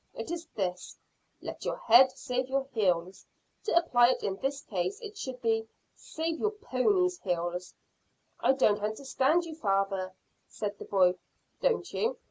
It is this: Let your head save your heels. To apply it in this case, it should be, Save your pony's heels." "I don't understand you, father," said the boy. "Don't you?